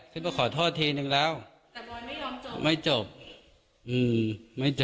ขึ้นมาขอโทษทีนึงแล้วแต่บอยไม่ยอมจบไม่จบอืมไม่จบ